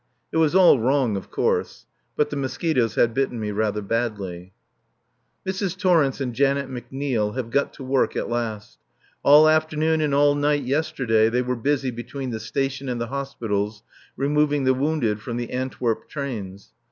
It was all wrong, of course; but the mosquitoes had bitten me rather badly. Mrs. Torrence and Janet McNeil have got to work at last. All afternoon and all night yesterday they were busy between the Station and the hospitals removing the wounded from the Antwerp trains.